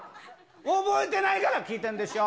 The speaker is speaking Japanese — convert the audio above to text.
覚えてないから聞いてんでしょう。